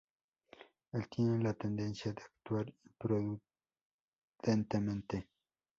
Él tiene la tendencia de actuar imprudentemente.